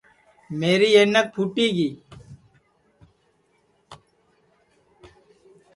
میری اینک پھُوٹی گی